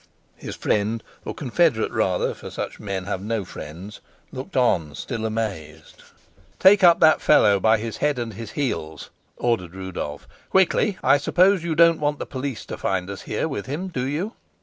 His friend or confederate rather, for such men have no friends looked on, still amazed. "Take up that fellow by his head and his heels," ordered Rudolf. "Quickly! I suppose you don't want the police to find us here with him, do you?